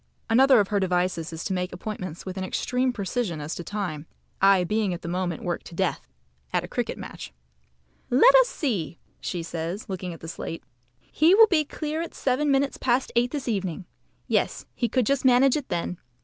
Another of her devices is to make appointments with an extreme precision as to time, I being at the moment worked to death (at a cricket match). "Let us see!" says she, looking at the slate. "He will be clear at seven minutes past eight this evening. Yes, he could just manage it then.